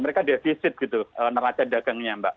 mereka defisit gitu neraca dagangnya mbak